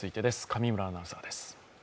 上村アナウンサーです。